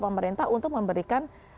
pemerintah untuk memberikan